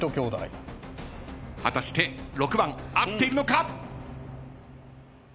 果たして６番合っているのか！？